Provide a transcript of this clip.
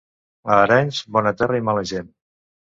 A Arenys, bona terra i mala gent.